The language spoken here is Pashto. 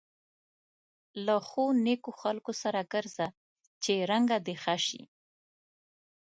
له ښو نېکو خلکو سره ګرځه چې رنګه دې ښه شي.